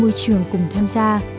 và môi trường cùng tham gia